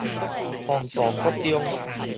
弘道國中